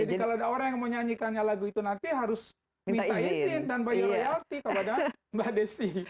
jadi kalau ada orang yang mau nyanyikannya lagu itu nanti harus minta izin dan bayi royalti kepada mbak desi